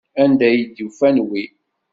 Anda ay d-ufan wi?